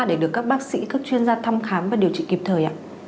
để được các bác sĩ các chuyên gia thăm khám và điều trị kịp thời ạ